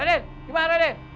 raden gimana raden